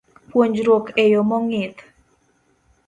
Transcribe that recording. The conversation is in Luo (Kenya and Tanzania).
Puonjruok e yo mong'ith